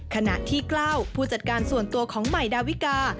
ขณะที่กล้าวผู้จัดการส่วนตัวของใหม่ดาวิกา